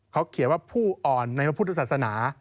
เขาเขียนว่าผู้อ่อนในว่าผู้ศาสนา